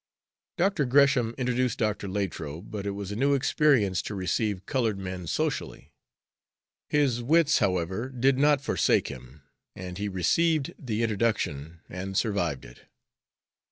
Dr. Gresham introduced Dr. Latrobe, but it was a new experience to receive colored men socially. His wits, however, did not forsake him, and he received the introduction and survived it.